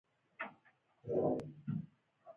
ډوډۍ چې وخوري بې له خدای په امانۍ وځي.